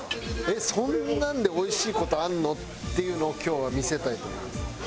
えっそんなんでおいしい事あんの？っていうのを今日は見せたいと思います。